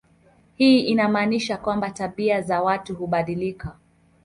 Hii inamaanisha kwamba tabia za watu hubadilika.